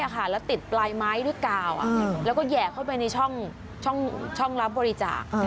แล้วติดปลายไม้ด้วยกาวแล้วก็แห่เข้าไปในช่องรับบริจาค